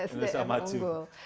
sdm yang maju